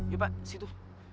yuk pak di situ